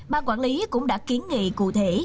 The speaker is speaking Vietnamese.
ba quản lý cũng đã kiến nghị cụ thể